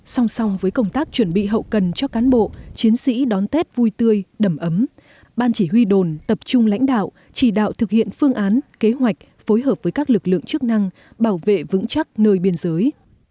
song song với công tác chuẩn bị hậu cần cho cán bộ chiến sĩ đón tết vui tươi đầm ấm ban chỉ huy đồn tập trung lãnh đạo chỉ đạo thực hiện phương án kế hoạch phối hợp với các lực lượng chức năng bảo vệ vững chắc nơi biên giới